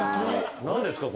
何ですか？